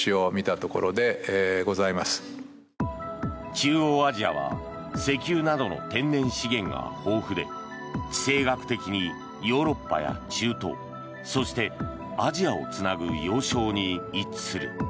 中央アジアは石油などの天然資源が豊富で地政学的にヨーロッパや中東そして、アジアをつなぐ要衝に位置する。